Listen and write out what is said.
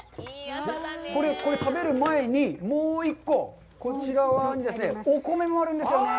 これは食べる前にもう１個、こちらにはお米があるんですよね。